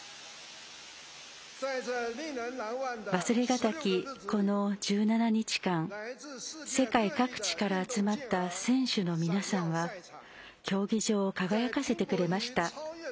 忘れがたき、この１７日間世界各地から集まった選手の皆さんは競技場を輝かせてくれました。